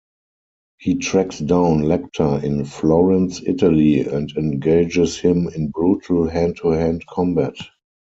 He tracks down Lecter in Florence, Italy, and engages him in brutal hand-to-hand combat.